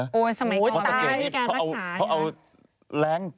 อ๋อสมัยก่อนวิธีการรักษานี่ไหมมันตายพอเอาแรง